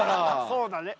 そうだね